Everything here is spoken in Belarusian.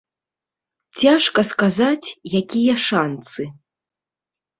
Цяжка сказаць, якія шанцы.